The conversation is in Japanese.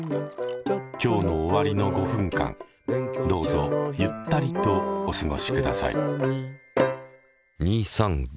今日の終わりの５分間どうぞゆったりとお過ごしください。